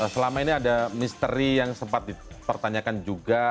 selama ini ada misteri yang sempat dipertanyakan juga